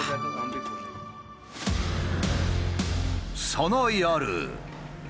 その夜。